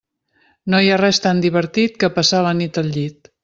No hi ha res tan divertit que passar la nit al llit.